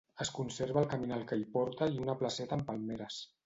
Es conserva el caminal que hi porta i una placeta amb palmeres.